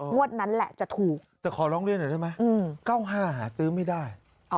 นั้นแหละจะถูกแต่ขอร้องเรียนหน่อยได้ไหม๙๕หาซื้อไม่ได้